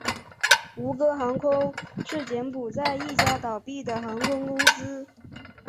吴哥航空是柬埔寨一家倒闭的航空公司。